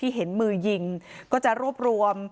เห็นมือยิงก็จะรวบรวม